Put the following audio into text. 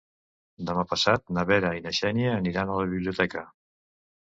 Demà passat na Vera i na Xènia aniran a la biblioteca.